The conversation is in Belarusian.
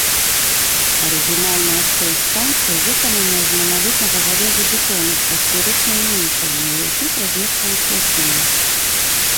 Арыгінальная столь станцыі выкананая з маналітнага жалезабетону з паўсферычным нішамі, у якіх размешчаны свяцільні.